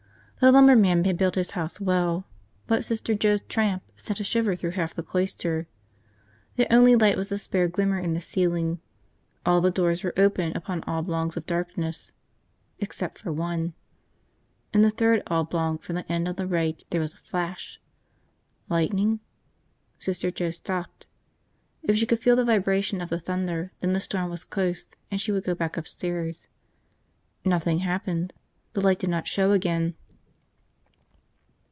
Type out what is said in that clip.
The lumberman had built his house well, but Sister Joe's tramp sent a shiver through half the cloister. The only light was a spare glimmer in the ceiling. All the doors were open upon oblongs of darkness. Except for one. In the third oblong from the end on the right there was a flash. Lightning? Sister Joe stopped. If she could feel the vibration of the thunder, then the storm was close and she would go back upstairs. Nothing happened. The light did not show again.